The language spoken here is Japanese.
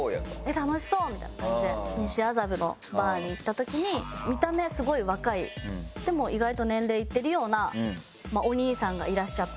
「楽しそう！」みたいな感じで西麻布のバーに行った時に見た目すごい若いでも意外と年齢いってるようなお兄さんがいらっしゃって。